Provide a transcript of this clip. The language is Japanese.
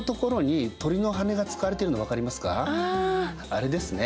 あれですね。